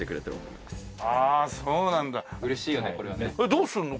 どうすんの？